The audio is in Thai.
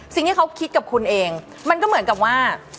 สิ่งที่เขาคิดกับคุณเองมันก็เหมือนกับว่า